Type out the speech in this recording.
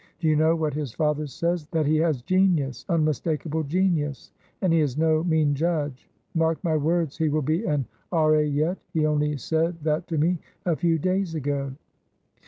Do you know what his father says? that he has genius, unmistakable genius, and he is no mean judge. 'Mark my words, he will be an R.A. yet;' he only said that to me a few days ago."